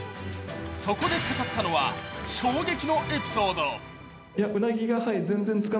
そこで語ったのは、衝撃のエピソード。